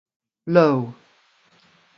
Low.